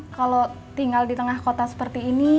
kalau tinggal di tengah kota seperti ini